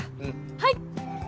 はい！